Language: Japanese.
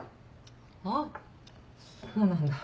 あっそうなんだ。